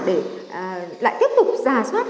để lại tiếp tục giả soát